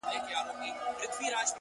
o چي وايي؛